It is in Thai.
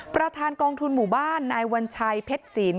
ประธานกองทุนหมู่บ้านนายวัญชัยเพชรศิลป